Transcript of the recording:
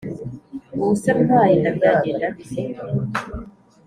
ubuse ntwaye inda byagenda bite